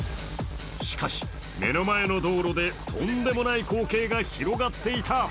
しかし、目の前の道路でとんでもない光景が広がっていた。